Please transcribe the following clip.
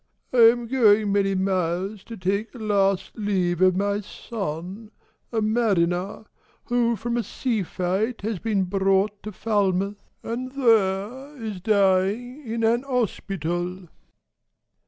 I am going many miles to take A last leave of my son, a mariner, Who from a sea fight has been brought to Falmouth, And there is dying in an hospital."